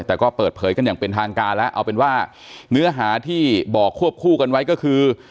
แต่ก็เปิดเผยกันอย่างเป็นทางการแล้วเอาเป็นว่าเนื้อหาที่บอกควบคู่กันไว้ก็คือ